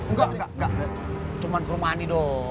enggak enggak cuma ke rumah ani dong